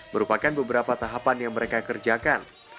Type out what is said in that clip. merupakan beberapa tahapan yang mereka kerjakan